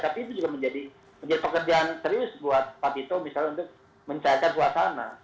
tapi itu juga menjadi pekerjaan serius buat pak tito misalnya untuk mencairkan suasana